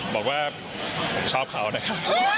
บอกว่าผมชอบเขานะครับ